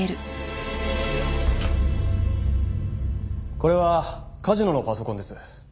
これは梶野のパソコンです。